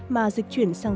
mà dịch chuyển sang